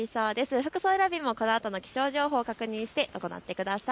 服装選びもこのあとの気象情報を確認して行ってください。